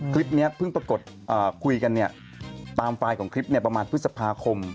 คลิปนี้เพิ่งปรากฏคุยกันเนี่ยตามไฟล์ของคลิปประมาณพฤษภาคม